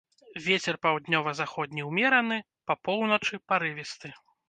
Вецер паўднёва-заходні ўмераны, па поўначы парывісты.